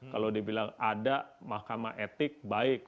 kalau dibilang ada mahkamah etik baik